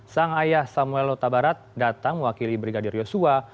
sang ayah samuel utabarat datang mewakili brigadir yosua